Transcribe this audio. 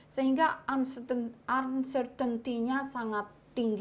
sehingga uncertainty nya sangat tinggi